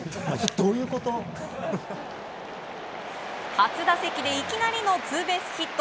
初打席でいきなりのツーベースヒット。